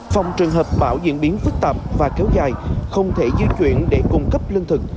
phòng trường hợp bão diễn biến phức tạp và kéo dài không thể di chuyển để cung cấp lương thực